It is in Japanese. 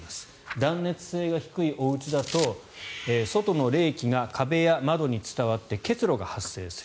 断熱性が低いおうちだと外の冷気が壁や窓に伝わり結露が発生する。